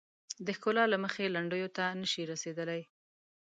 د ښکلا له مخې لنډیو ته نه شي رسیدلای.